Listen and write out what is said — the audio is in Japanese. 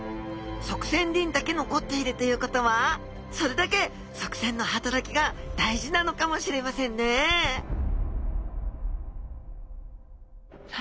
側線鱗だけ残っているということはそれだけ側線の働きが大事なのかもしれませんねえさあ